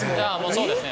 そうですね。